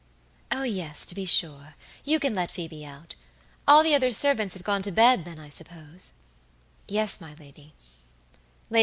"Oh, yes, to be sure; you can let Phoebe out. All the other servants have gone to bed, then, I suppose?" "Yes, my lady."